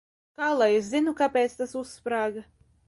Kā lai es zinu, kāpēc tas uzsprāga?